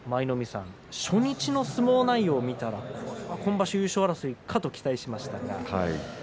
初日の相撲内容を見たら今場所、優勝争いかと期待しましたが。